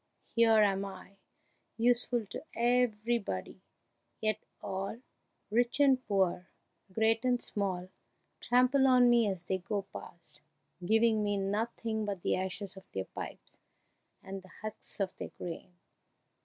Here am I, useful to everybody, yet all, rich and poor, great and small, trample on me as they go past, giving me nothing but the ashes of their pipes and the husks of their grain!"